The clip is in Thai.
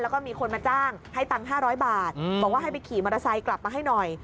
แล้วก็มีคนมาจ้างให้ตังค์๕๐๐บาทบอกว่าให้ไปขี่มอเตอร์ไซค์กลับมาให้หน่อย